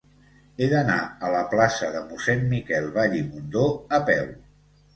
He d'anar a la plaça de Mossèn Miquel Vall i Mundó a peu.